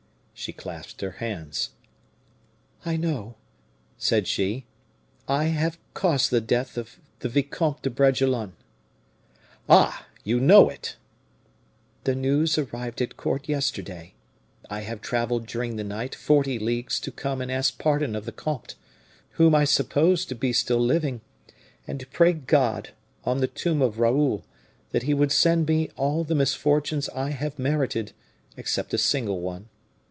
She clasped her hands. "I know," said she, "I have caused the death of the Vicomte de Bragelonne." "Ah! you know it?" "The news arrived at court yesterday. I have traveled during the night forty leagues to come and ask pardon of the comte, whom I supposed to be still living, and to pray God, on the tomb of Raoul, that he would send me all the misfortunes I have merited, except a single one.